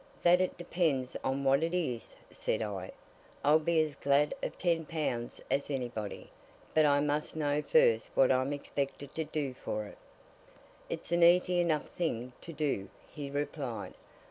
"That it depends on what it is," said I. "I'd be as glad of ten pounds as anybody, but I must know first what I'm expected to do for it." "It's an easy enough thing to do," he replied.